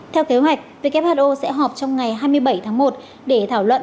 theo kế hoạch who sẽ họp trong ngày hai mươi bảy tháng một để thảo luận